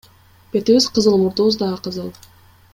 Бетибиз кызыл, мурдубуз дагы кызыл.